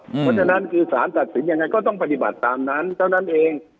เพราะฉะนั้นคือสารตัดสินยังไงก็ต้องปฏิบัติตามนั้นเท่านั้นเอง